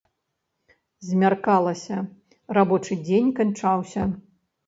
Змяркалася, рабочы дзень канчаўся.